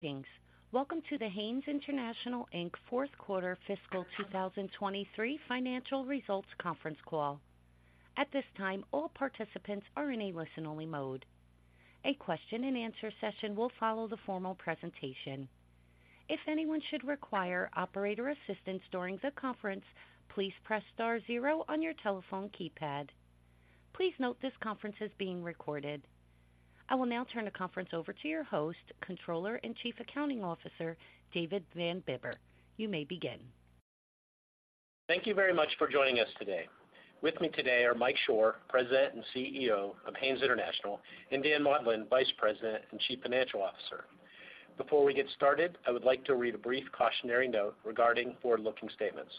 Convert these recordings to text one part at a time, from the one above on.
Greetings. Welcome to the Haynes International, Inc fourth quarter fiscal 2023 financial results conference call. At this time, all participants are in a listen-only mode. A question-and-answer session will follow the formal presentation. If anyone should require operator assistance during the conference, please press star zero on your telephone keypad. Please note this conference is being recorded. I will now turn the conference over to your host, Controller and Chief Accounting Officer, David Van Bibber. You may begin. Thank you very much for joining us today. With me today are Mike Shor, President and CEO of Haynes International, and Dan Maudlin, Vice President and Chief Financial Officer. Before we get started, I would like to read a brief cautionary note regarding forward-looking statements.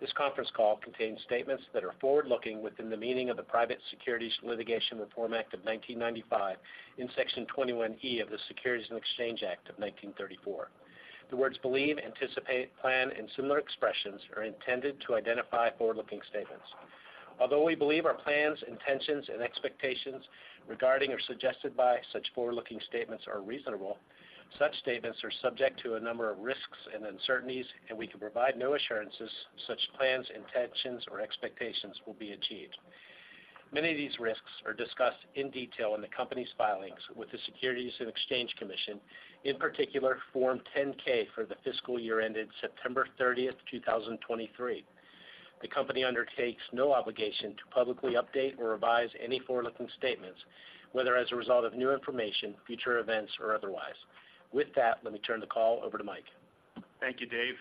This conference call contains statements that are forward-looking within the meaning of the Private Securities Litigation Reform Act of 1995 in Section 21E of the Securities and Exchange Act of 1934. The words believe, anticipate, plan, and similar expressions are intended to identify forward-looking statements. Although we believe our plans, intentions, and expectations regarding or suggested by such forward-looking statements are reasonable, such statements are subject to a number of risks and uncertainties, and we can provide no assurances such plans, intentions, or expectations will be achieved. Many of these risks are discussed in detail in the company's filings with the Securities and Exchange Commission, in particular, Form 10-K for the fiscal year ended September 30, 2023. The company undertakes no obligation to publicly update or revise any forward-looking statements, whether as a result of new information, future events, or otherwise. With that, let me turn the call over to Mike. Thank you, Dave.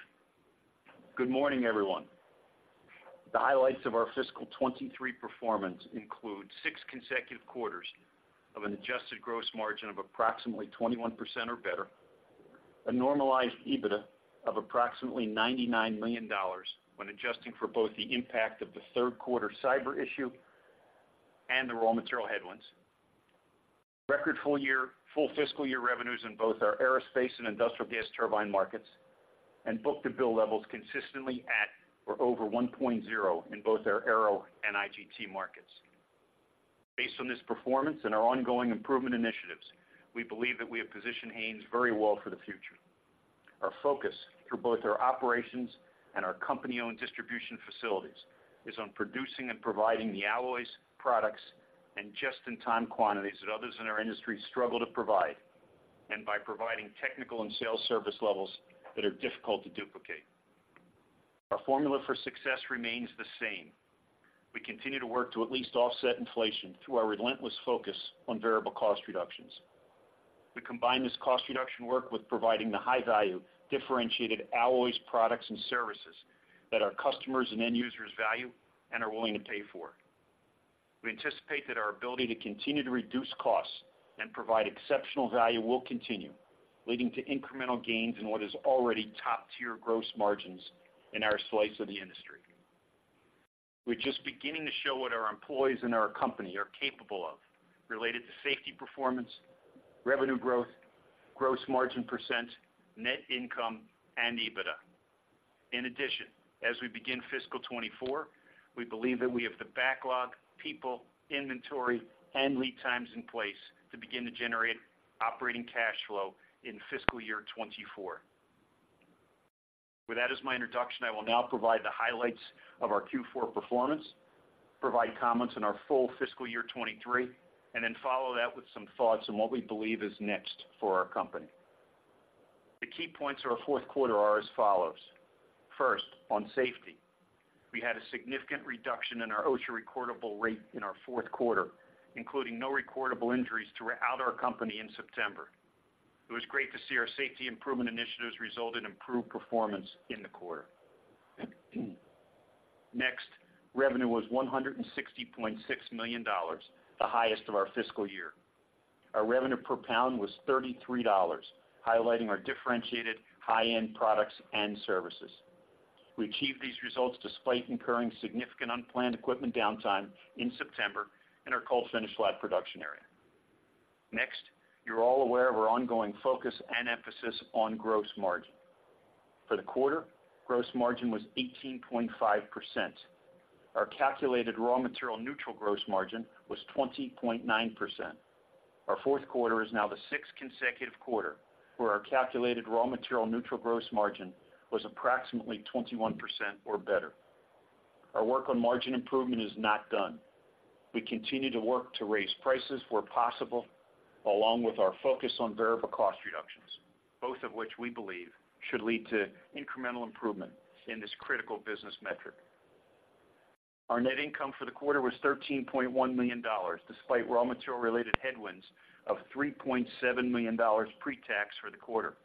Good morning, everyone. The highlights of our fiscal 2023 performance include six consecutive quarters of an adjusted gross margin of approximately 21% or better, a normalized EBITDA of approximately $99 million when adjusting for both the impact of the third quarter cyber issue and the raw material headwinds. Record full year, full fiscal year revenues in both our aerospace and industrial gas turbine markets, and book-to-bill levels consistently at or over 1.0 in both our aero and IGT markets. Based on this performance and our ongoing improvement initiatives, we believe that we have positioned Haynes very well for the future. Our focus for both our operations and our company-owned distribution facilities is on producing and providing the alloys, products, and just-in-time quantities that others in our industry struggle to provide, and by providing technical and sales service levels that are difficult to duplicate. Our formula for success remains the same. We continue to work to at least offset inflation through our relentless focus on variable cost reductions. We combine this cost reduction work with providing the high-value, differentiated alloys, products, and services that our customers and end users value and are willing to pay for. We anticipate that our ability to continue to reduce costs and provide exceptional value will continue, leading to incremental gains in what is already top-tier gross margins in our slice of the industry. We're just beginning to show what our employees and our company are capable of related to safety performance, revenue growth, gross margin percent, net income, and EBITDA. In addition, as we begin fiscal 2024, we believe that we have the backlog, people, inventory, and lead times in place to begin to generate operating cash flow in fiscal year 2024. With that as my introduction, I will now provide the highlights of our Q4 performance, provide comments on our full fiscal year 2023, and then follow that with some thoughts on what we believe is next for our company. The key points of our fourth quarter are as follows: First, on safety, we had a significant reduction in our OSHA recordable rate in our fourth quarter, including no recordable injuries throughout our company in September. It was great to see our safety improvement initiatives result in improved performance in the quarter. Next, revenue was $160.6 million, the highest of our fiscal year. Our revenue per pound was $33, highlighting our differentiated high-end products and services. We achieved these results despite incurring significant unplanned equipment downtime in September in our cold finish flat production area. Next, you're all aware of our ongoing focus and emphasis on gross margin. For the quarter, gross margin was 18.5%. Our calculated raw material neutral gross margin was 20.9%. Our fourth quarter is now the sixth consecutive quarter, where our calculated raw material neutral gross margin was approximately 21% or better. Our work on margin improvement is not done. We continue to work to raise prices where possible, along with our focus on variable cost reductions, both of which we believe should lead to incremental improvement in this critical business metric. Our net income for the quarter was $13.1 million, despite raw material-related headwinds of $3.7 million pre-tax for the quarter.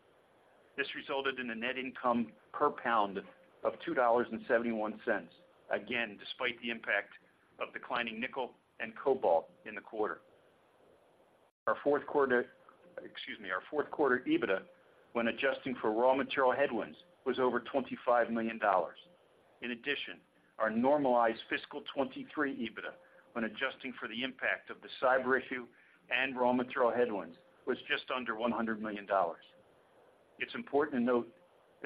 This resulted in a net income per pound of $2.71, again, despite the impact of declining nickel and cobalt in the quarter. Our fourth quarter, excuse me, our fourth quarter EBITDA, when adjusting for raw material headwinds, was over $25 million. In addition, our normalized fiscal 2023 EBITDA, when adjusting for the impact of the cyber issue and raw material headwinds, was just under $100 million. It's important to note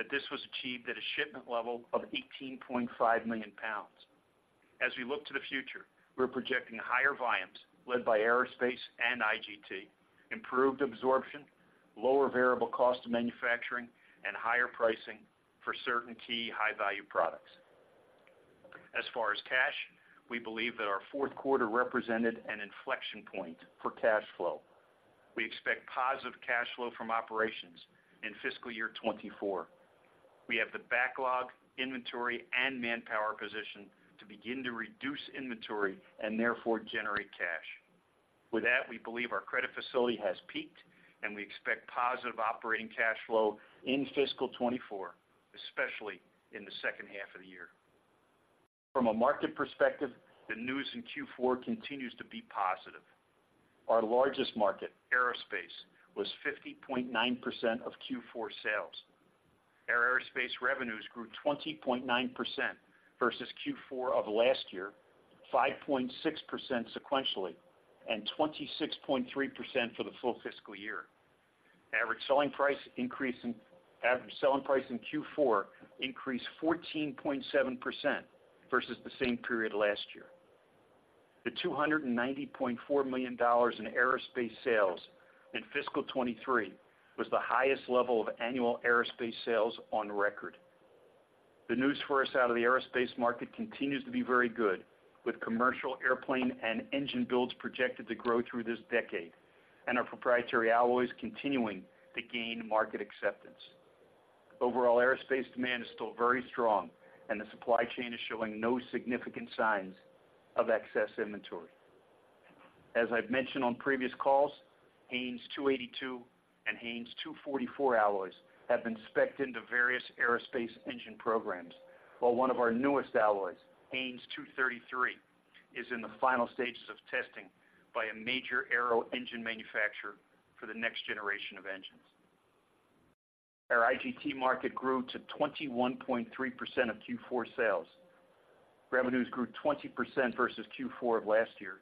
that this was achieved at a shipment level of 18.5 million lbs. As we look to the future, we're projecting higher volumes led by aerospace and IGT, improved absorption, lower variable cost of manufacturing, and higher pricing for certain key high-value products. As far as cash, we believe that our fourth quarter represented an inflection point for cash flow. We expect positive cash flow from operations in fiscal year 2024. We have the backlog, inventory, and manpower position to begin to reduce inventory and therefore generate cash. With that, we believe our credit facility has peaked, and we expect positive operating cash flow in fiscal 2024, especially in the second half of the year. From a market perspective, the news in Q4 continues to be positive. Our largest market, aerospace, was 50.9% of Q4 sales. Our aerospace revenues grew 20.9% versus Q4 of last year, 5.6% sequentially, and 26.3% for the full fiscal year. Average selling price in Q4 increased 14.7% versus the same period last year. The $290.4 million in aerospace sales in fiscal 2023 was the highest level of annual aerospace sales on record. The news for us out of the aerospace market continues to be very good, with commercial airplane and engine builds projected to grow through this decade, and our proprietary alloys continuing to gain market acceptance. Overall, aerospace demand is still very strong, and the supply chain is showing no significant signs of excess inventory. As I've mentioned on previous calls, HAYNES 282 and HAYNES 244 alloys have been specced into various aerospace engine programs, while one of our newest alloys, HAYNES 233, is in the final stages of testing by a major aero engine manufacturer for the next generation of engines. Our IGT market grew to 21.3% of Q4 sales. Revenues grew 20% versus Q4 of last year,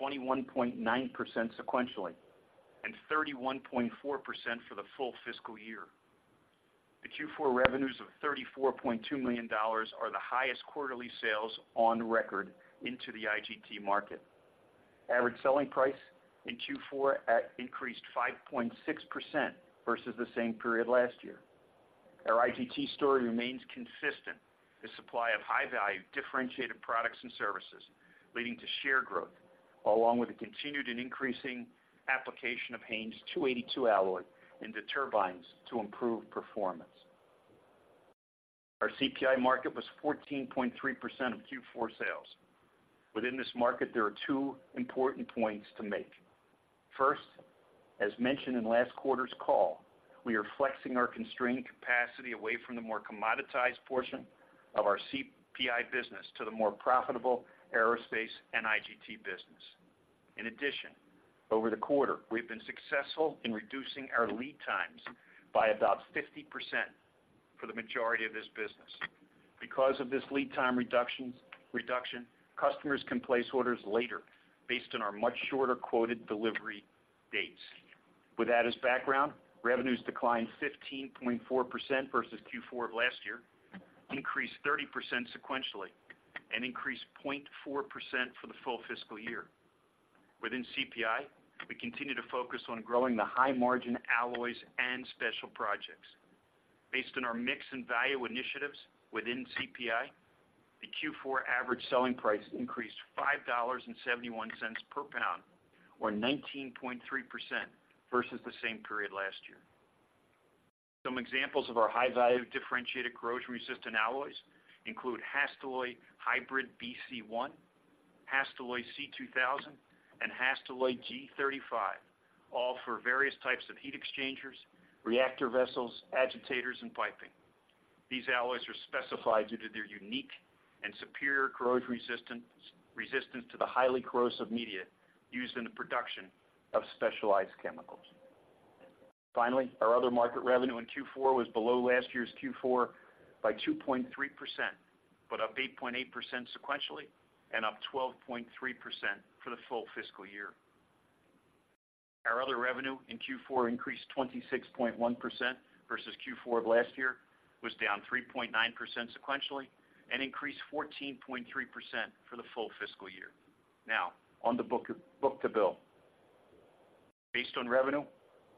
21.9% sequentially, and 31.4% for the full fiscal year. The Q4 revenues of $34.2 million are the highest quarterly sales on record into the IGT market. Average selling price in Q4 at increased 5.6% versus the same period last year. Our IGT story remains consistent, the supply of high-value, differentiated products and services, leading to share growth, along with the continued and increasing application of HAYNES 282 alloy into turbines to improve performance. Our CPI market was 14.3% of Q4 sales. Within this market, there are two important points to make. First, as mentioned in last quarter's call, we are flexing our constrained capacity away from the more commoditized portion of our CPI business to the more profitable aerospace and IGT business. In addition, over the quarter, we've been successful in reducing our lead times by about 50% for the majority of this business. Because of this lead time reduction, customers can place orders later based on our much shorter quoted delivery dates. With that as background, revenues declined 15.4% versus Q4 of last year, increased 30% sequentially, and increased 0.4% for the full fiscal year. Within CPI, we continue to focus on growing the high-margin alloys and special projects. Based on our mix and value initiatives within CPI, the Q4 average selling price increased $5.71 per lb, or 19.3% versus the same period last year. Some examples of our high-value, differentiated, corrosion-resistant alloys include HASTELLOY HYBRID-BC1, HASTELLOY C-2000, and HASTELLOY G-35, all for various types of heat exchangers, reactor vessels, agitators, and piping. These alloys are specified due to their unique and superior corrosion resistance to the highly corrosive media used in the production of specialized chemicals. Finally, our other market revenue in Q4 was below last year's Q4 by 2.3%, but up 8.8% sequentially and up 12.3% for the full fiscal year. Our other revenue in Q4 increased 26.1% versus Q4 of last year, was down 3.9% sequentially, and increased 14.3% for the full fiscal year. Now, on the book-to-bill. Based on revenue,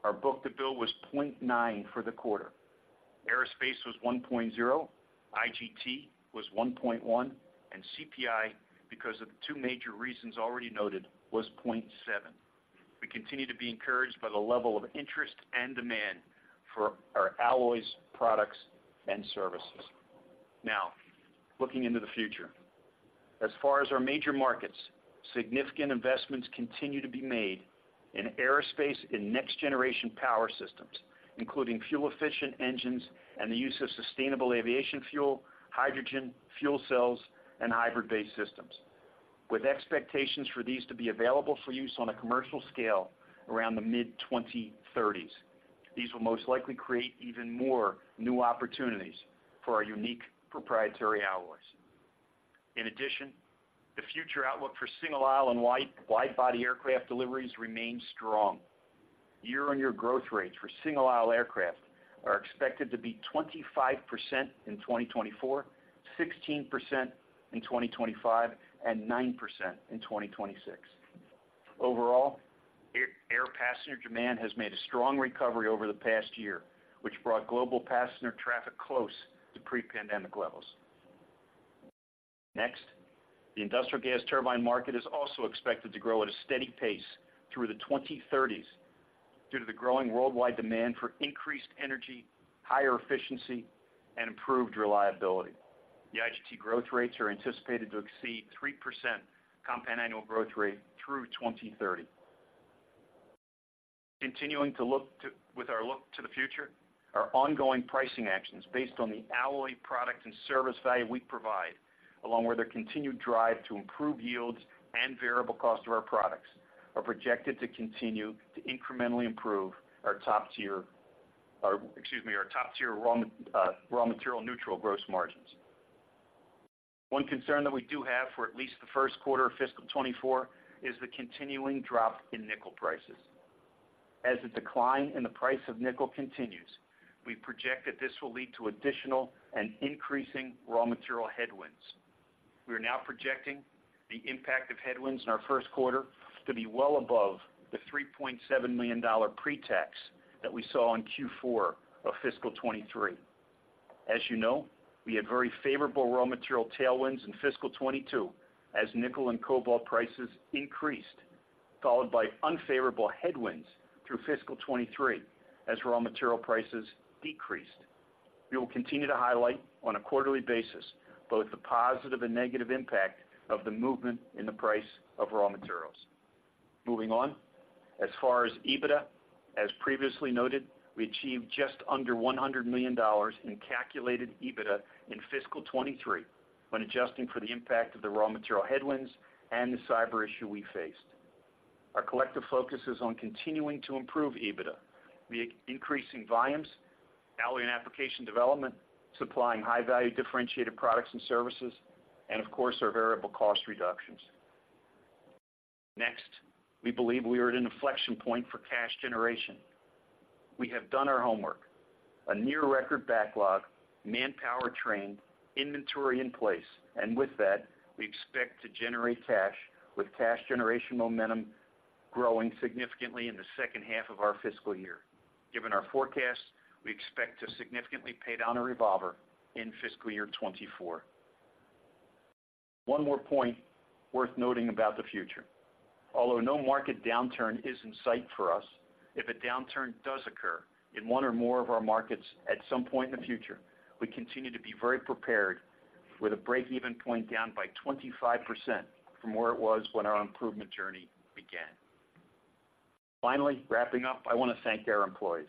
our book-to-bill was 0.9 for the quarter. Aerospace was 1.0, IGT was 1.1, and CPI, because of two major reasons already noted, was 0.7. We continue to be encouraged by the level of interest and demand for our alloys, products, and services. Now, looking into the future. As far as our major markets, significant investments continue to be made in aerospace and next-generation power systems, including fuel-efficient engines and the use of sustainable aviation fuel, hydrogen, fuel cells, and hybrid-based systems. With expectations for these to be available for use on a commercial scale around the mid-2030s, these will most likely create even more new opportunities for our unique proprietary alloys. In addition, the future outlook for single-aisle and wide-body aircraft deliveries remains strong. Year-on-year growth rates for single-aisle aircraft are expected to be 25% in 2024, 16% in 2025, and 9% in 2026. Overall, air passenger demand has made a strong recovery over the past year, which brought global passenger traffic close to pre-pandemic levels. Next, the industrial gas turbine market is also expected to grow at a steady pace through the 2030s, due to the growing worldwide demand for increased energy, higher efficiency, and improved reliability. The IGT growth rates are anticipated to exceed 3% compound annual growth rate through 2030. Continuing with our look to the future, our ongoing pricing actions, based on the alloy product and service value we provide, along with our continued drive to improve yields and variable cost of our products, are projected to continue to incrementally improve our top-tier raw material neutral gross margins. One concern that we do have for at least the first quarter of fiscal 2024, is the continuing drop in nickel prices. As the decline in the price of nickel continues, we project that this will lead to additional and increasing raw material headwinds. We are now projecting the impact of headwinds in our first quarter to be well above the $3.7 million pre-tax that we saw in Q4 of fiscal 2023. As you know, we had very favorable raw material tailwinds in fiscal 2022, as nickel and cobalt prices increased, followed by unfavorable headwinds through fiscal 2023, as raw material prices decreased. We will continue to highlight, on a quarterly basis, both the positive and negative impact of the movement in the price of raw materials. Moving on. As far as EBITDA, as previously noted, we achieved just under $100 million in calculated EBITDA in fiscal 2023, when adjusting for the impact of the raw material headwinds and the cyber issue we faced. Our collective focus is on continuing to improve EBITDA via increasing volumes, alloy and application development, supplying high-value, differentiated products and services, and of course, our variable cost reductions. Next, we believe we are at an inflection point for cash generation. We have done our homework. A near record backlog, manpower trained, inventory in place, and with that, we expect to generate cash, with cash generation momentum growing significantly in the second half of our fiscal year. Given our forecast, we expect to significantly pay down our revolver in fiscal year 2024. One more point worth noting about the future: although no market downturn is in sight for us, if a downturn does occur in one or more of our markets at some point in the future, we continue to be very prepared with a break-even point down by 25% from where it was when our improvement journey began. Finally, wrapping up, I want to thank our employees.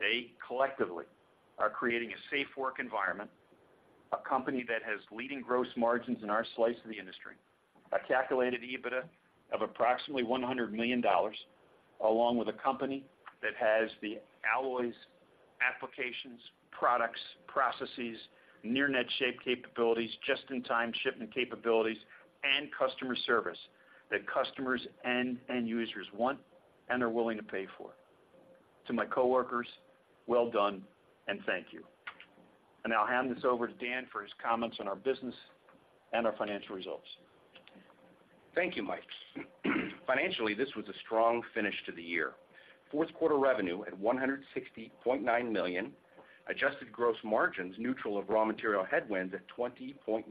They collectively are creating a safe work environment, a company that has leading gross margins in our slice of the industry, a calculated EBITDA of approximately $100 million, along with a company that has the alloys, applications, products, processes, near net shape capabilities, just-in-time shipment capabilities, and customer service that customers and end users want and are willing to pay for. To my coworkers, well done, and thank you. Now I'll hand this over to Dan for his comments on our business and our financial results. Thank you, Mike. Financially, this was a strong finish to the year. Fourth quarter revenue at $160.9 million, adjusted gross margins, neutral of raw material headwinds at 20.9%,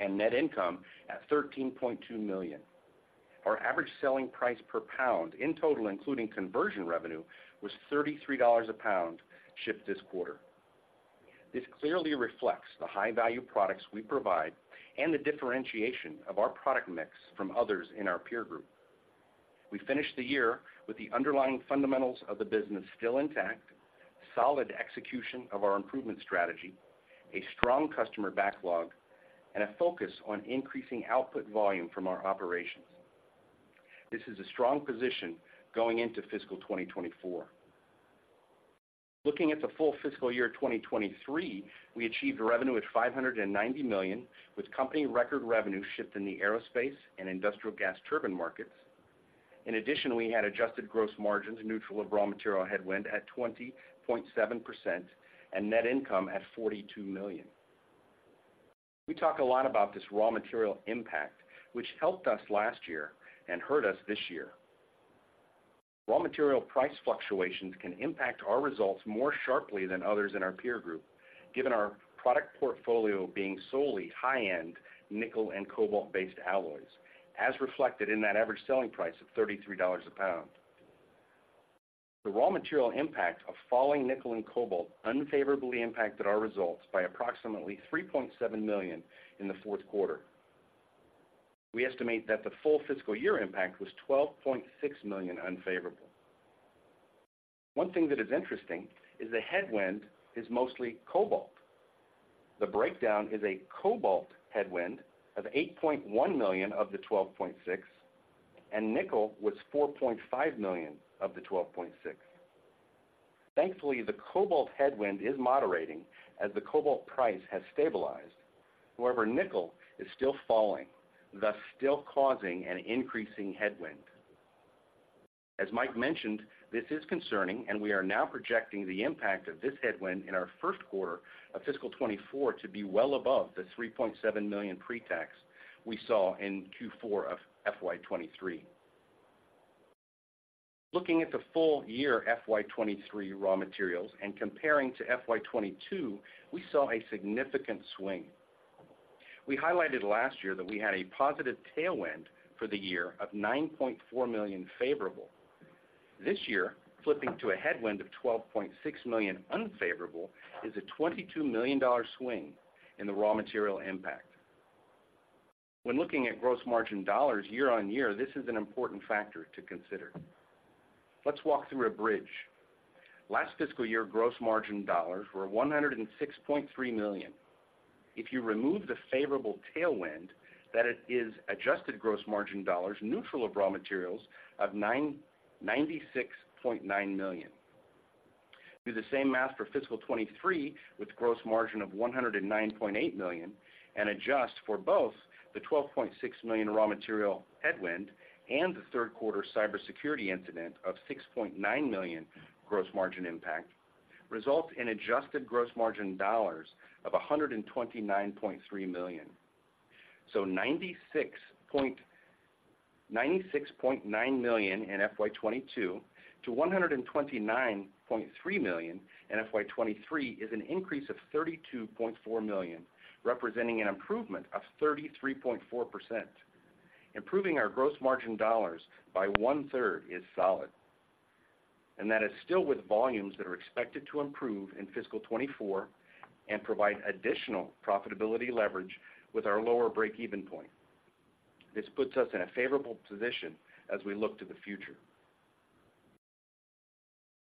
and net income at $13.2 million. Our average selling price per pound, in total, including conversion revenue, was $33 a lb, shipped this quarter. This clearly reflects the high-value products we provide and the differentiation of our product mix from others in our peer group. We finished the year with the underlying fundamentals of the business still intact, solid execution of our improvement strategy, a strong customer backlog, and a focus on increasing output volume from our operations. This is a strong position going into fiscal 2024. Looking at the full fiscal year 2023, we achieved revenue at $590 million, with company record revenue shipped in the aerospace and industrial gas turbine markets. In addition, we had adjusted gross margins, neutral of raw material headwind, at 20.7% and net income at $42 million. We talk a lot about this raw material impact, which helped us last year and hurt us this year. Raw material price fluctuations can impact our results more sharply than others in our peer group, given our product portfolio being solely high-end nickel and cobalt-based alloys, as reflected in that average selling price of $33 a lb. The raw material impact of falling nickel and cobalt unfavorably impacted our results by approximately $3.7 million in the fourth quarter. We estimate that the full fiscal year impact was $12.6 million unfavorable. One thing that is interesting is the headwind is mostly cobalt. The breakdown is a cobalt headwind of $8.1 million of the $12.6 million, and nickel was $4.5 million of the $12.6 million. Thankfully, the cobalt headwind is moderating as the cobalt price has stabilized. However, nickel is still falling, thus still causing an increasing headwind. As Mike mentioned, this is concerning, and we are now projecting the impact of this headwind in our first quarter of fiscal 2024 to be well above the $3.7 million pretax we saw in Q4 of FY 2023. Looking at the full year FY 2023 raw materials and comparing to FY 2022, we saw a significant swing. We highlighted last year that we had a positive tailwind for the year of $9.4 million favorable. This year, flipping to a headwind of $12.6 million unfavorable, is a $22 million swing in the raw material impact. When looking at gross margin dollars year-on-year, this is an important factor to consider. Let's walk through a bridge. Last fiscal year, gross margin dollars were $106.3 million. If you remove the favorable tailwind, that it is adjusted gross margin dollars neutral of raw materials of $96.9 million. Do the same math for fiscal 2023, with gross margin of $109.8 million, and adjust for both the $12.6 million raw material headwind and the third quarter cybersecurity incident of $6.9 million gross margin impact, results in adjusted gross margin dollars of $129.3 million. $96.9 million in FY 2022 to $129.3 million in FY 2023, is an increase of $32.4 million, representing an improvement of 33.4%. Improving our gross margin dollars by one-third is solid, and that is still with volumes that are expected to improve in fiscal 2024 and provide additional profitability leverage with our lower break-even point. This puts us in a favorable position as we look to the future.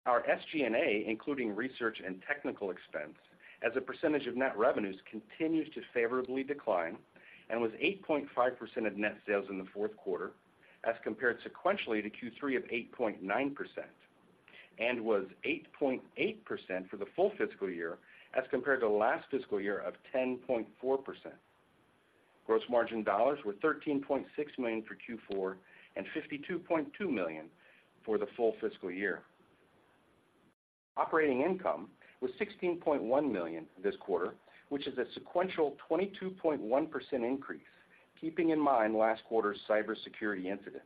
Our SG&A, including research and technical expense, as a percentage of net revenues, continues to favorably decline and was 8.5% of net sales in the fourth quarter, as compared sequentially to Q3 of 8.9%, and was 8.8% for the full fiscal year, as compared to last fiscal year of 10.4%. Gross margin dollars were $13.6 million for Q4 and $52.2 million for the full fiscal year. Operating income was $16.1 million this quarter, which is a sequential 22.1% increase, keeping in mind last quarter's cybersecurity incident.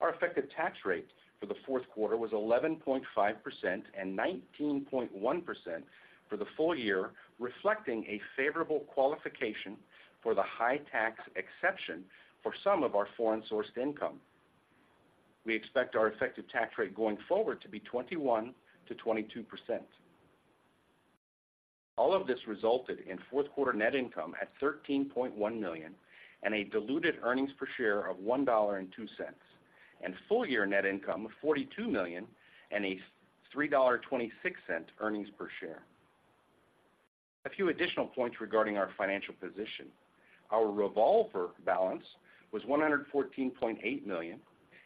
Our effective tax rate for the fourth quarter was 11.5% and 19.1% for the full year, reflecting a favorable qualification for the high tax exception for some of our foreign-sourced income. We expect our effective tax rate going forward to be 21%-22%. All of this resulted in fourth quarter net income at $13.1 million and a diluted earnings per share of $1.02, and full year net income of $42 million and a $3.26 earnings per share. A few additional points regarding our financial position. Our revolver balance was $114.8 million,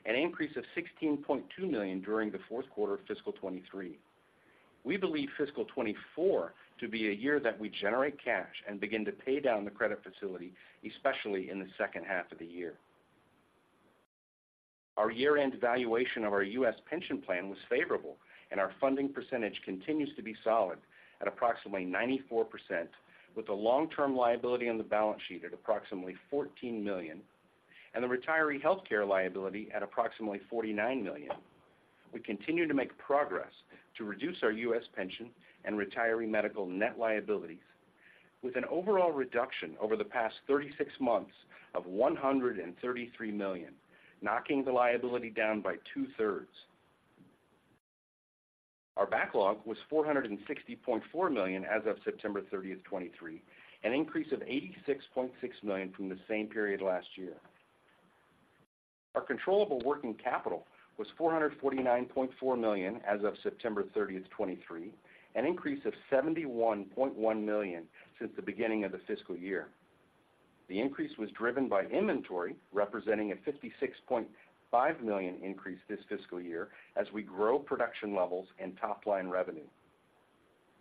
an increase of $16.2 million during the fourth quarter of fiscal 2023. We believe fiscal 2024 to be a year that we generate cash and begin to pay down the credit facility, especially in the second half of the year. Our year-end valuation of our U.S. pension plan was favorable, and our funding percentage continues to be solid at approximately 94%, with a long-term liability on the balance sheet at approximately $14 million and the retiree healthcare liability at approximately $49 million. We continue to make progress to reduce our U.S. pension and retiree medical net liabilities, with an overall reduction over the past 36 months of $133 million, knocking the liability down by two-thirds. Our backlog was $460.4 million as of September 30, 2023, an increase of $86.6 million from the same period last year. Our controllable working capital was $449.4 million as of September 30, 2023, an increase of $71.1 million since the beginning of the fiscal year. The increase was driven by inventory, representing a $56.5 million increase this fiscal year as we grow production levels and top-line revenue.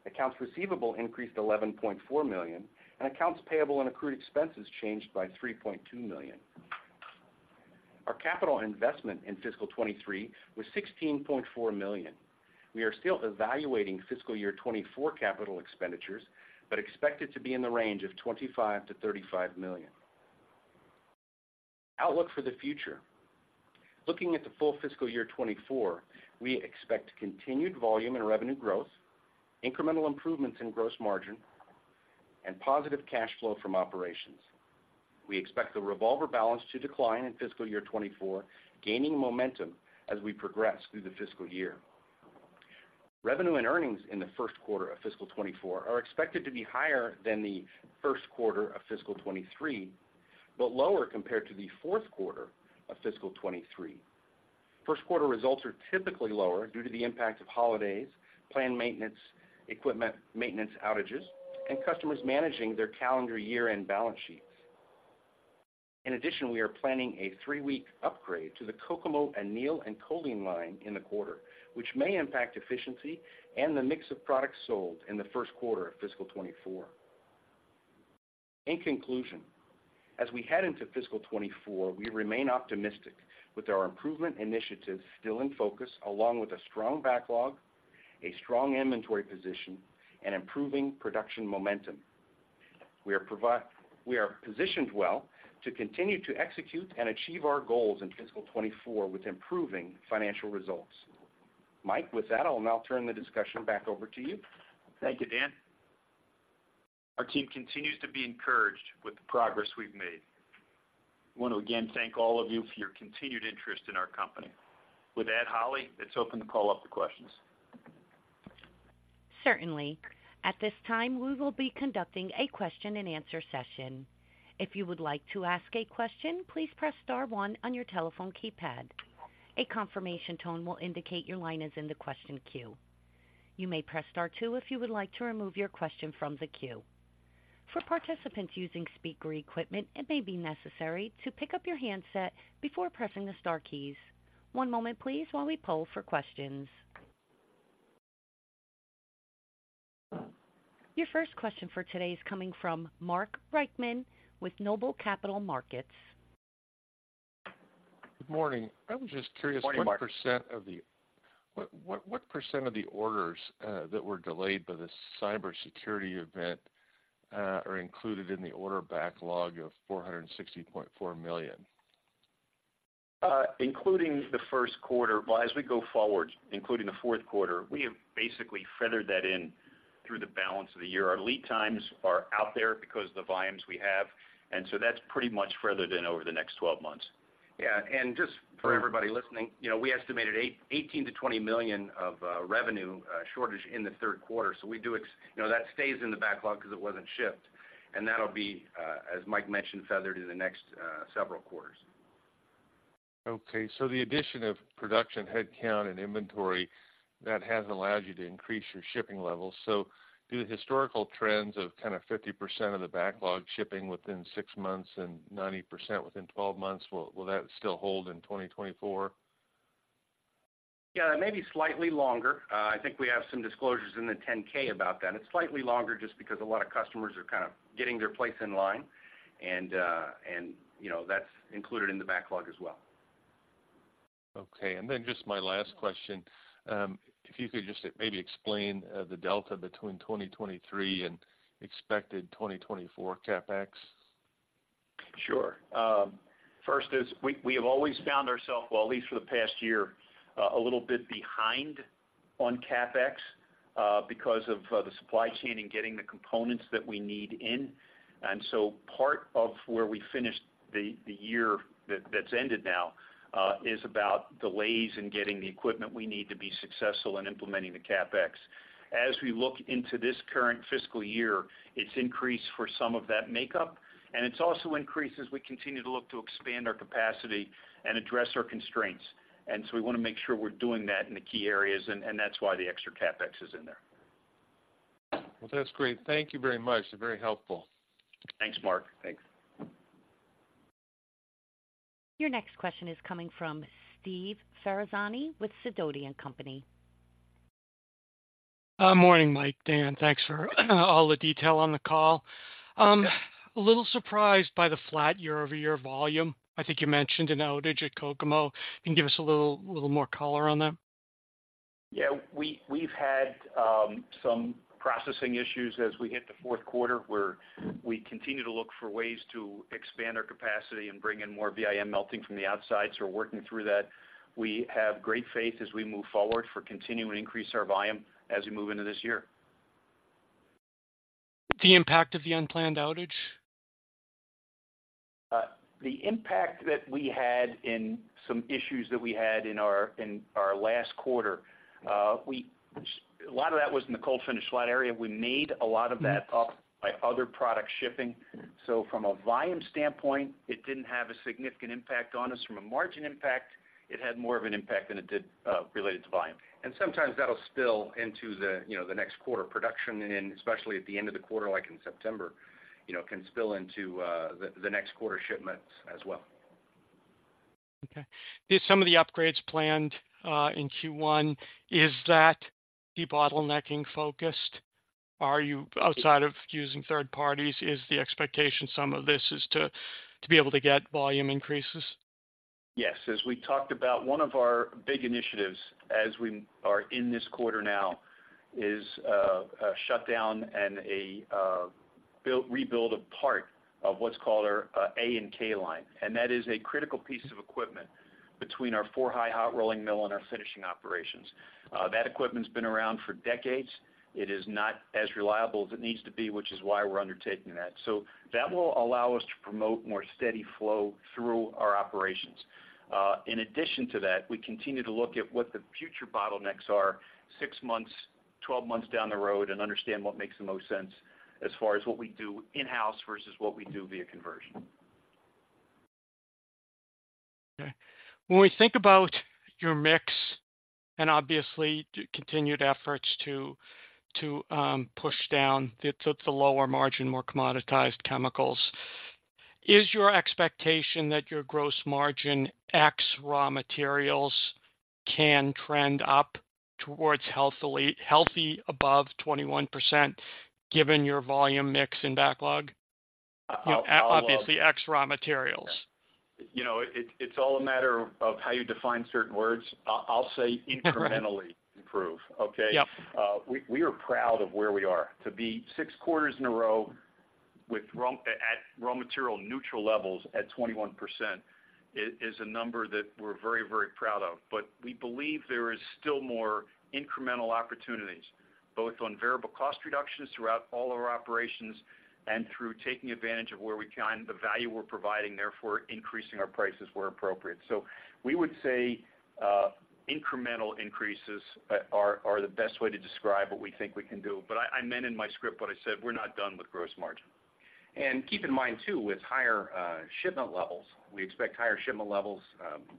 Accounts receivable increased $11.4 million, and accounts payable and accrued expenses changed by $3.2 million. Our capital investment in fiscal 2023 was $16.4 million. We are still evaluating fiscal year 2024 capital expenditures, but expect it to be in the range of $25 million-$35 million. Outlook for the future. Looking at the full fiscal year 2024, we expect continued volume and revenue growth, incremental improvements in gross margin, and positive cash flow from operations. We expect the revolver balance to decline in fiscal year 2024, gaining momentum as we progress through the fiscal year. Revenue and earnings in the first quarter of fiscal 2024 are expected to be higher than the first quarter of fiscal 2023, but lower compared to the fourth quarter of fiscal 2023. First quarter results are typically lower due to the impact of holidays, planned maintenance, equipment, maintenance outages, and customers managing their calendar year-end balance sheets.... In addition, we are planning a 3-week upgrade to the Kokomo Anneal and Kolene line in the quarter, which may impact efficiency and the mix of products sold in the first quarter of fiscal 2024. In conclusion, as we head into fiscal 2024, we remain optimistic with our improvement initiatives still in focus, along with a strong backlog, a strong inventory position, and improving production momentum. We are positioned well to continue to execute and achieve our goals in fiscal 2024 with improving financial results. Mike, with that, I'll now turn the discussion back over to you. Thank you, Dan. Our team continues to be encouraged with the progress we've made. I want to again thank all of you for your continued interest in our company. With that, Holly, let's open the call up to questions. Certainly. At this time, we will be conducting a question and answer session. If you would like to ask a question, please press star one on your telephone keypad. A confirmation tone will indicate your line is in the question queue. You may press star two if you would like to remove your question from the queue. For participants using speaker equipment, it may be necessary to pick up your handset before pressing the star keys. One moment please, while we poll for questions. Your first question for today is coming from Mark Reichman with Noble Capital Markets. Good morning. Good morning, Mark. I was just curious, what % of the orders that were delayed by the cybersecurity event are included in the order backlog of $460.4 million? Including the first quarter. Well, as we go forward, including the fourth quarter, we have basically feathered that in through the balance of the year. Our lead times are out there because of the volumes we have, and so that's pretty much feathered in over the next 12 months. Yeah, and just for everybody listening, you know, we estimated $18 million-$20 million of revenue shortage in the third quarter. So we do, you know, that stays in the backlog because it wasn't shipped, and that'll be, as Mike mentioned, feathered in the next several quarters. Okay, so the addition of production headcount and inventory, that hasn't allowed you to increase your shipping levels. So do the historical trends of kind of 50% of the backlog shipping within six months and 90% within twelve months, will that still hold in 2024? Yeah, it may be slightly longer. I think we have some disclosures in the 10-K about that. It's slightly longer just because a lot of customers are kind of getting their place in line, and you know, that's included in the backlog as well. Okay, and then just my last question. If you could just maybe explain the delta between 2023 and expected 2024 CapEx? Sure. First is we have always found ourselves, well, at least for the past year, a little bit behind on CapEx, because of the supply chain and getting the components that we need in. And so part of where we finished the year that's ended now is about delays in getting the equipment we need to be successful in implementing the CapEx. As we look into this current fiscal year, it's increased for some of that makeup, and it's also increased as we continue to look to expand our capacity and address our constraints. And so we want to make sure we're doing that in the key areas, and that's why the extra CapEx is in there. Well, that's great. Thank you very much. Very helpful. Thanks, Mark. Thanks. Your next question is coming from Steve Ferazani with Sidoti & Company. Morning, Mike, Dan. Thanks for all the detail on the call. A little surprised by the flat year-over-year volume. I think you mentioned an outage at Kokomo. Can you give us a little more color on that? Yeah, we've had some processing issues as we hit the fourth quarter, where we continue to look for ways to expand our capacity and bring in more VIM melting from the outside. So we're working through that. We have great faith as we move forward for continuing to increase our volume as we move into this year. The impact of the unplanned outage? The impact that we had in some issues that we had in our last quarter, a lot of that was in the cold finish flat area. We made a lot of that up by other product shipping. So from a volume standpoint, it didn't have a significant impact on us. From a margin impact, it had more of an impact than it did related to volume. Sometimes that'll spill into the, you know, the next quarter production, and especially at the end of the quarter, like in September, you know, can spill into the next quarter shipments as well. Okay. Did some of the upgrades planned in Q1 is that the bottlenecking focused? Are you outside of using third parties, is the expectation some of this is to be able to get volume increases? Yes. As we talked about, one of our big initiatives as we are in this quarter now is a shutdown and a rebuild a part of what's called our A&K line. And that is a critical piece of equipment between our four-high hot rolling mill and our finishing operations. That equipment's been around for decades. It is not as reliable as it needs to be, which is why we're undertaking that. So that will allow us to promote more steady flow through our operations. In addition to that, we continue to look at what the future bottlenecks are, six months, 12 months down the road, and understand what makes the most sense as far as what we do in-house versus what we do via conversion. Okay. When we think about your mix, and obviously, the continued efforts to push down the lower margin, more commoditized chemicals, is your expectation that your gross margin ex raw materials can trend up towards healthy above 21%, given your volume mix and backlog? You know, obviously, ex raw materials. You know, it's all a matter of how you define certain words. I'll say incrementally improve, okay? Yep. We are proud of where we are. To be six quarters in a row with raw material neutral levels at 21% is a number that we're very, very proud of. But we believe there is still more incremental opportunities, both on variable cost reductions throughout all of our operations and through taking advantage of where we can, the value we're providing, therefore, increasing our prices where appropriate. So we would say, incremental increases are the best way to describe what we think we can do. But I meant in my script what I said, we're not done with gross margin. And keep in mind, too, with higher shipment levels, we expect higher shipment levels,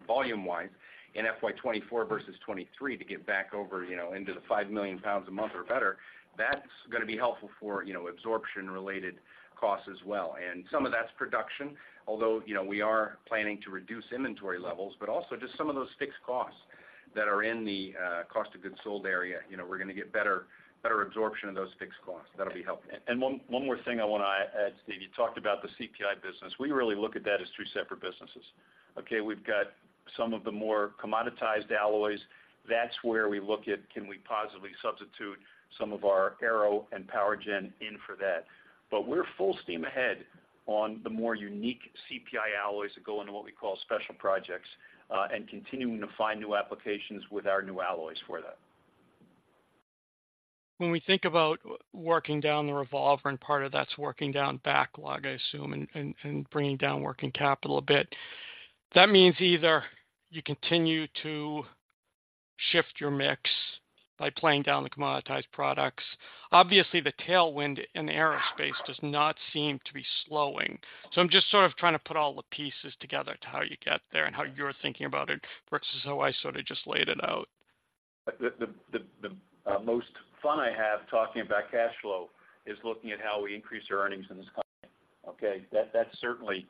volume-wise in FY 2024 versus 2023 to get back over, you know, into the 5 million pounds a month or better. That's going to be helpful for, you know, absorption-related costs as well. And some of that's production, although, you know, we are planning to reduce inventory levels, but also just some of those fixed costs that are in the cost of goods sold area. You know, we're going to get better, better absorption of those fixed costs. That'll be helpful. One more thing I want to add, Steve. You talked about the CPI business. We really look at that as three separate businesses. Okay, we've got some of the more commoditized alloys. That's where we look at, can we positively substitute some of our aero and power gen in for that? But we're full steam ahead on the more unique CPI alloys that go into what we call special projects, and continuing to find new applications with our new alloys for that. When we think about working down the revolver, and part of that's working down backlog, I assume, and bringing down working capital a bit. That means either you continue to shift your mix by playing down the commoditized products. Obviously, the tailwind in the aerospace does not seem to be slowing. So I'm just sort of trying to put all the pieces together to how you get there and how you're thinking about it, versus how I sort of just laid it out. The most fun I have talking about cash flow is looking at how we increase our earnings in this company, okay? That certainly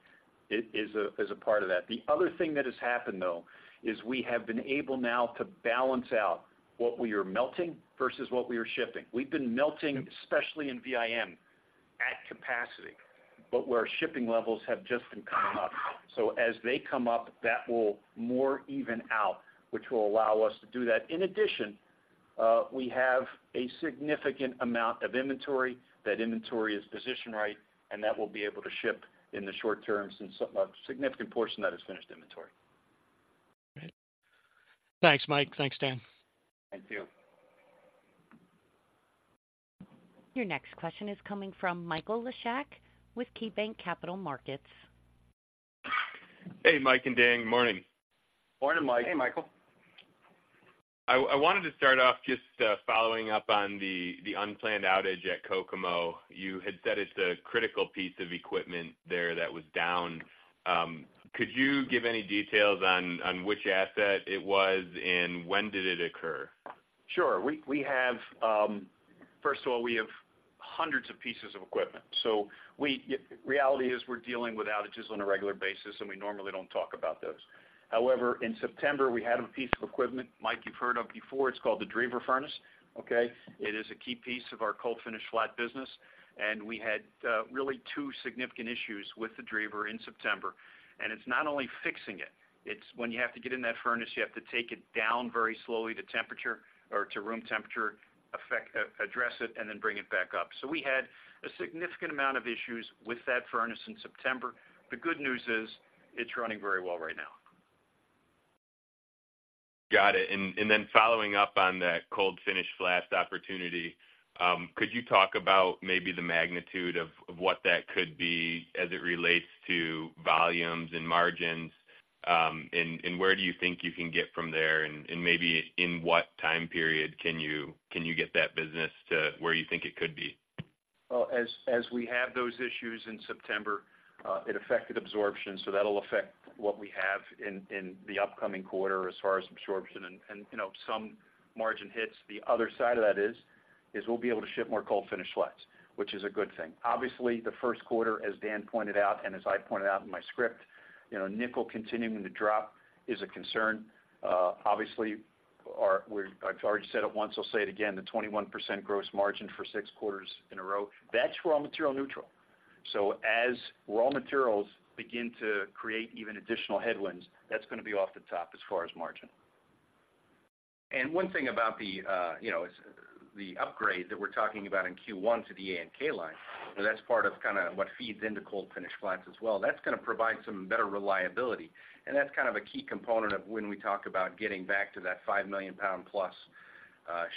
is a part of that. The other thing that has happened, though, is we have been able now to balance out what we are melting versus what we are shifting. We've been melting, especially in VIM, at capacity, but where our shipping levels have just been coming up. So as they come up, that will more even out, which will allow us to do that. In addition, we have a significant amount of inventory. That inventory is positioned right, and that will be able to ship in the short term since a significant portion that is finished inventory. Great. Thanks, Mike. Thanks, Dan. Thank you. Your next question is coming from Michael Leshock with KeyBanc Capital Markets. Hey, Mike and Dan. Good morning. Morning, Mike. Hey, Michael. I wanted to start off just following up on the unplanned outage at Kokomo. You had said it's a critical piece of equipment there that was down. Could you give any details on which asset it was, and when did it occur? Sure. First of all, we have hundreds of pieces of equipment, so reality is we're dealing with outages on a regular basis, and we normally don't talk about those. However, in September, we had a piece of equipment, Mike, you've heard of before. It's called the Drever furnace, okay? It is a key piece of our cold finish flat business, and we had really two significant issues with the Drever in September. And it's not only fixing it, it's when you have to get in that furnace, you have to take it down very slowly to temperature or to room temperature, address it, and then bring it back up. So we had a significant amount of issues with that furnace in September. The good news is, it's running very well right now. Got it. And then following up on that cold finish flat opportunity, could you talk about maybe the magnitude of what that could be as it relates to volumes and margins? And where do you think you can get from there, and maybe in what time period can you get that business to where you think it could be? Well, as we had those issues in September, it affected absorption, so that'll affect what we have in the upcoming quarter as far as absorption and, you know, some margin hits. The other side of that is we'll be able to ship more cold finish flats, which is a good thing. Obviously, the first quarter, as Dan pointed out, and as I pointed out in my script, you know, nickel continuing to drop is a concern. Obviously, I've already said it once, I'll say it again, the 21% gross margin for six quarters in a row, that's raw material neutral. So as raw materials begin to create even additional headwinds, that's going to be off the top as far as margin. One thing about the, you know, the upgrade that we're talking about in Q1 to the A&K line, that's part of kind of what feeds into cold finish flats as well. That's going to provide some better reliability, and that's kind of a key component of when we talk about getting back to that 5 million-pound-plus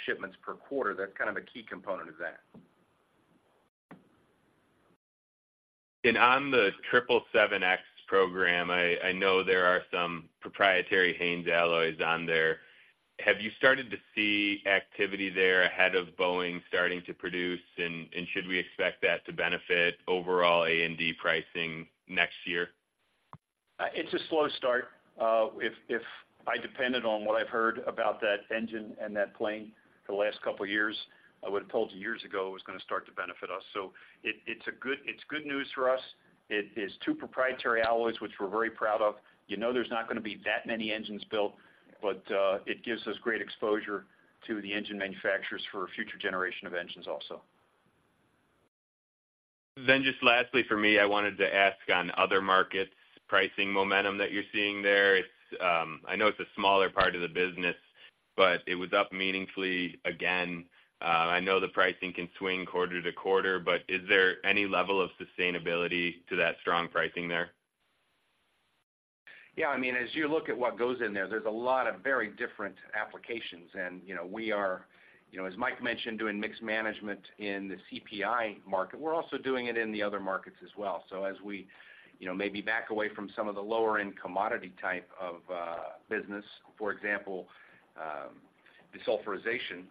shipments per quarter. That's kind of a key component of that. On the 777X program, I know there are some proprietary Haynes alloys on there... Have you started to see activity there ahead of Boeing starting to produce? And should we expect that to benefit overall A&D pricing next year? It's a slow start. If I depended on what I've heard about that engine and that plane for the last couple of years, I would've told you years ago it was going to start to benefit us. So it's good news for us. It is two proprietary alloys, which we're very proud of. You know there's not going to be that many engines built, but it gives us great exposure to the engine manufacturers for a future generation of engines also. Just lastly, for me, I wanted to ask on other markets, pricing momentum that you're seeing there. It's, I know it's a smaller part of the business, but it was up meaningfully again. I know the pricing can swing quarter to quarter, but is there any level of sustainability to that strong pricing there? Yeah, I mean, as you look at what goes in there, there's a lot of very different applications. You know, we are, you know, as Mike mentioned, doing mixed management in the CPI market. We're also doing it in the other markets as well. As we, you know, maybe back away from some of the lower-end commodity type of business, for example, desulfurization,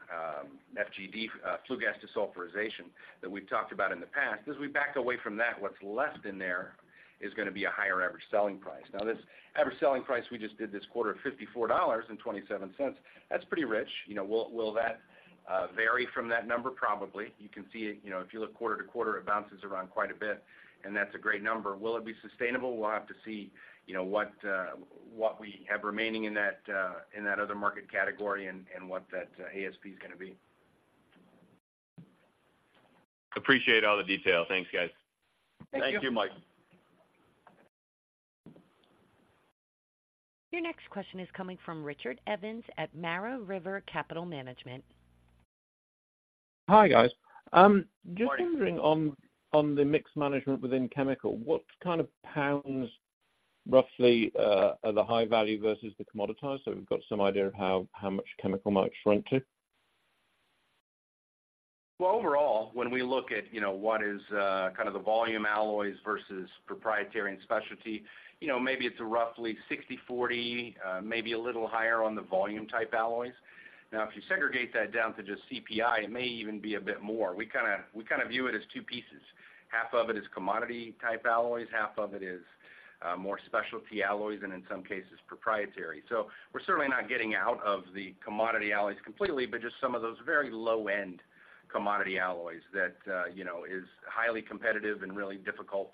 FGD, flue gas desulfurization, that we've talked about in the past. As we back away from that, what's left in there is going to be a higher average selling price. Now, this average selling price, we just did this quarter of $54.27. That's pretty rich. You know, will that vary from that number? Probably. You can see, you know, if you look quarter to quarter, it bounces around quite a bit, and that's a great number. Will it be sustainable? We'll have to see, you know, what we have remaining in that other market category and what that ASP is going to be. Appreciate all the detail. Thanks, guys. Thank you. Thank you, Mike. Your next question is coming from Richard Evans at Mara River Capital Management. Hi, guys. Morning. Just wondering on, on the mix management within chemical, what kind of pounds, roughly, are the high value versus the commoditized? So we've got some idea of how, how much chemical might shrink to. Well, overall, when we look at, you know, what is, kind of the volume alloys versus proprietary and specialty, you know, maybe it's a roughly 60/40, maybe a little higher on the volume-type alloys. Now, if you segregate that down to just CPI, it may even be a bit more. We kind of, we kind of view it as two pieces. Half of it is commodity-type alloys, half of it is, more specialty alloys, and in some cases, proprietary. So we're certainly not getting out of the commodity alloys completely, but just some of those very low-end commodity alloys that, you know, is highly competitive and really difficult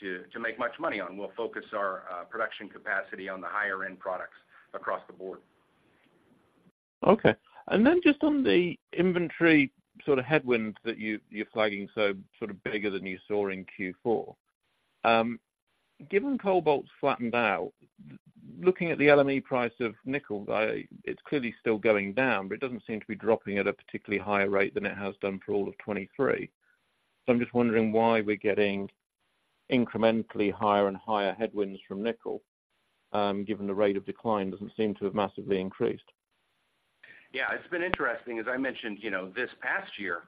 to make much money on. We'll focus our production capacity on the higher end products across the board. Okay. And then just on the inventory sort of headwinds that you, you're flagging, so sort of bigger than you saw in Q4. Given cobalt's flattened out, looking at the LME price of nickel, it's clearly still going down, but it doesn't seem to be dropping at a particularly higher rate than it has done for all of 2023. So I'm just wondering why we're getting incrementally higher and higher headwinds from nickel, given the rate of decline doesn't seem to have massively increased. Yeah, it's been interesting. As I mentioned, you know, this past year,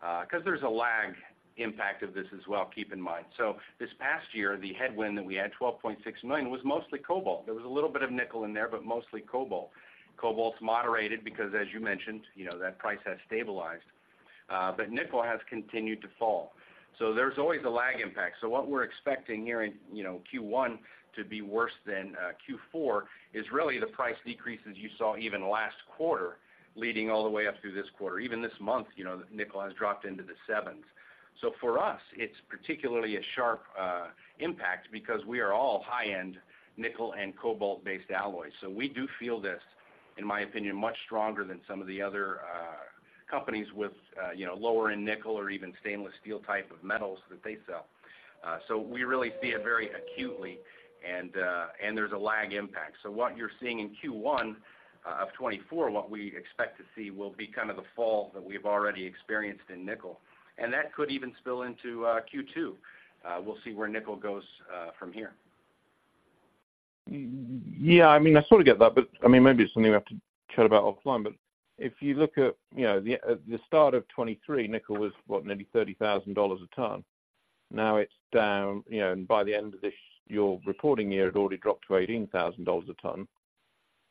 because there's a lag impact of this as well, keep in mind. So this past year, the headwind that we had, $12.6 million, was mostly cobalt. There was a little bit of nickel in there, but mostly cobalt. Cobalt's moderated because, as you mentioned, you know, that price has stabilized, but nickel has continued to fall. So there's always a lag impact. So what we're expecting here in, you know, Q1 to be worse than Q4 is really the price decreases you saw even last quarter, leading all the way up through this quarter. Even this month, you know, nickel has dropped into the sevens. So for us, it's particularly a sharp impact because we are all high-end nickel and cobalt-based alloys. So we do feel this, in my opinion, much stronger than some of the other companies with, you know, lower-end nickel or even stainless steel type of metals that they sell. So we really see it very acutely, and, and there's a lag impact. So what you're seeing in Q1 of 2024, what we expect to see will be kind of the fall that we've already experienced in nickel, and that could even spill into Q2. We'll see where nickel goes from here. Yeah, I mean, I sort of get that, but I mean, maybe it's something we have to chat about offline. But if you look at, you know, the, the start of 2023, nickel was, what? Nearly $30,000 a ton. Now it's down, you know, and by the end of this, your reporting year, it already dropped to $18,000 a ton.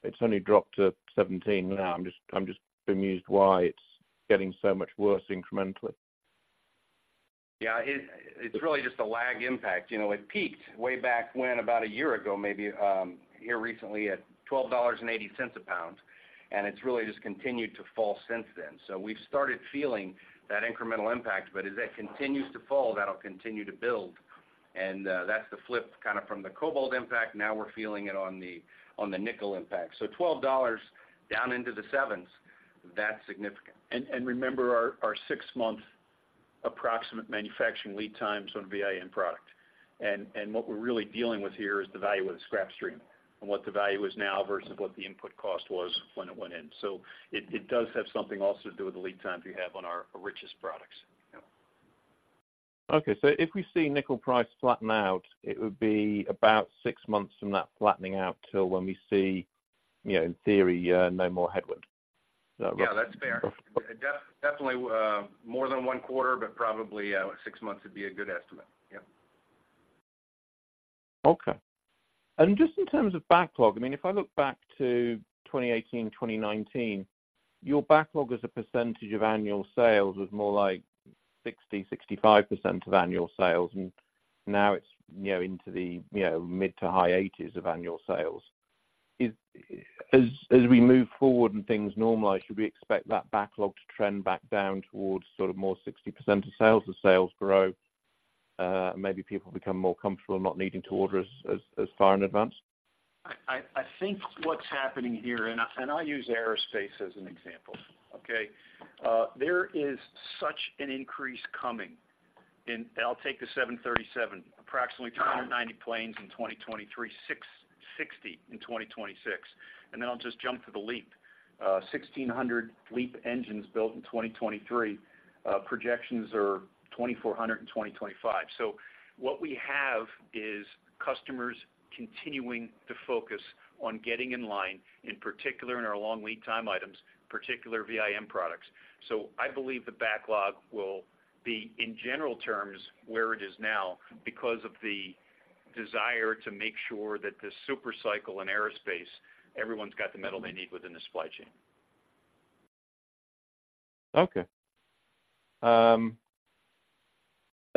It's only dropped to $17,000 now. I'm just, I'm just bemused why it's getting so much worse incrementally. Yeah, it's really just a lag impact. You know, it peaked way back when, about a year ago, maybe, here recently at $12.80 a lb, and it's really just continued to fall since then. So we've started feeling that incremental impact, but as that continues to fall, that'll continue to build. And, that's the flip, kind of from the cobalt impact, now we're feeling it on the nickel impact. So $12 down into the sevens, that's significant. Remember our six-month approximate manufacturing lead times on VIM product. What we're really dealing with here is the value of the scrap stream and what the value is now versus what the input cost was when it went in. So it does have something also to do with the lead times we have on our VIM products. Yep. Okay, so if we see nickel price flatten out, it would be about six months from that flattening out till when we see, you know, in theory, no more headwind. Is that right? Yeah, that's fair. Definitely, more than one quarter, but probably six months would be a good estimate. Yep.... Okay. And just in terms of backlog, I mean, if I look back to 2018, 2019, your backlog as a percentage of annual sales was more like 60%, 65% of annual sales, and now it's, you know, into the, you know, mid- to high 80s% of annual sales. As, as we move forward and things normalize, should we expect that backlog to trend back down towards sort of more 60% of sales as sales grow, maybe people become more comfortable not needing to order as, as, as far in advance? I think what's happening here, and I use aerospace as an example. Okay? There is such an increase coming in. I'll take the 737, approximately 290 planes in 2023, 660 in 2026. And then I'll just jump to the LEAP. 1,600 LEAP engines built in 2023. Projections are 2,400 in 2025. So what we have is customers continuing to focus on getting in line, in particular in our long lead time items, particular VIM products. So I believe the backlog will be, in general terms, where it is now, because of the desire to make sure that this super cycle in aerospace, everyone's got the metal they need within the supply chain. Okay.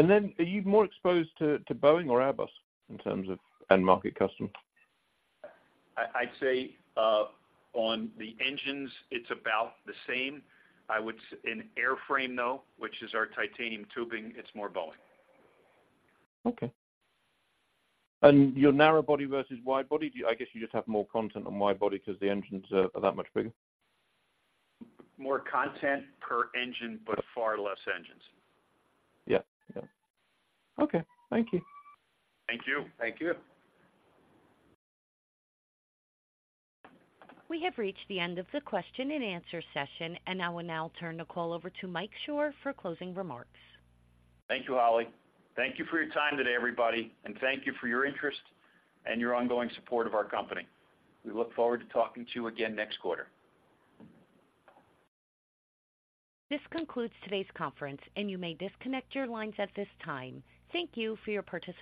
And then are you more exposed to Boeing or Airbus in terms of end-market customers? I'd say on the engines, it's about the same. I would say in airframe, though, which is our titanium tubing, it's more Boeing. Okay. Your narrow body versus wide body, do you—I guess you just have more content on wide body because the engines are, are that much bigger? More content per engine, but far less engines. Yeah. Yeah. Okay, thank you. Thank you. Thank you. We have reached the end of the question and answer session, and I will now turn the call over to Mike Shor for closing remarks. Thank you, Holly. Thank you for your time today, everybody, and thank you for your interest and your ongoing support of our company. We look forward to talking to you again next quarter. This concludes today's conference, and you may disconnect your lines at this time. Thank you for your participation.